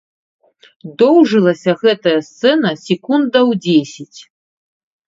Доўжылася гэтая сцэна секундаў дзесяць.